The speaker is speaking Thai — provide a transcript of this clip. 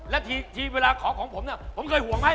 และทีเวลาขอของผมเนี่ยผมเคยห่วงไหม